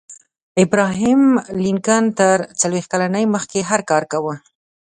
ابراهم لینکن تر څلویښت کلنۍ مخکې هر کار کاوه